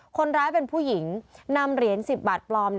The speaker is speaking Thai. คนร้ายเป็นผู้หญิงนำเหรียญ๑๐บาทปลอม